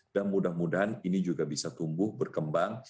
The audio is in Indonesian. dan mudah mudahan ini juga bisa tumbuh berkembang